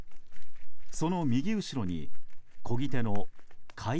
その右後ろにこぎ手のかい